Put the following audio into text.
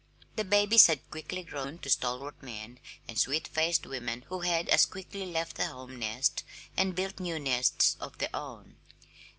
The babies had quickly grown to stalwart men and sweet faced women who had as quickly left the home nest and built new nests of their own.